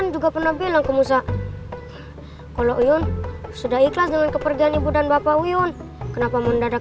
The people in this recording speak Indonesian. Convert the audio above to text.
juga pernah bilang kalau sudah ikhlas dengan kepergian ibu dan bapak uyun kenapa mendadak